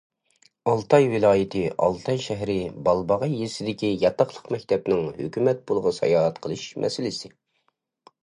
ئالتاي ۋىلايىتى ئالتاي شەھىرى بالباغاي يېزىسىدىكى ياتاقلىق مەكتەپنىڭ ھۆكۈمەت پۇلىغا ساياھەت قىلىش مەسىلىسى.